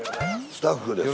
スタッフですか。